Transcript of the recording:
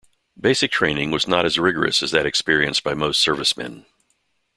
Basic Training was not as rigorous as that experienced by most servicemen.